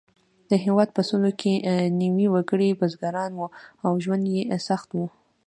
د هېواد په سلو کې نوي وګړي بزګران وو او ژوند یې سخت و.